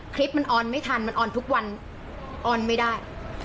คลิปมันออนไม่ทันมันออนทุกวันออนไม่ได้